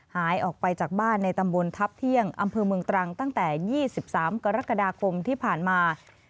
หายออกไปจากบ้านในตำบลทัพเที่ยงอำเภอเมืองตรังตั้งแต่๒๓กรกฎาคมที่ผ่านมา